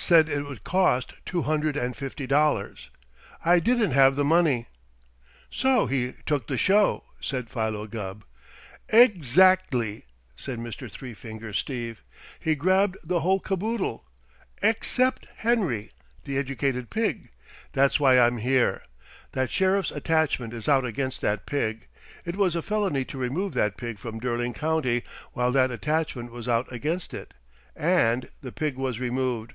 Said it would cost two hundred and fifty dollars. I didn't have the money." "So he took the show," said Philo Gubb. "Ex act ly!" said Mr. Three Finger Steve. "He grabbed the whole caboodle. Ex cept Henry, the Educated Pig. That's why I'm here. That Sheriff's attachment is out against that pig; it was a felony to remove that pig from Derling County while that attachment was out against it. And the pig was removed."